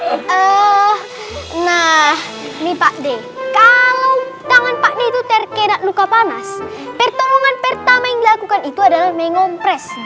ee eh nah nih pak d kalo tangan pak d itu terkena luka panas pertolongan pertama yang dilakukan itu adalah mengompres d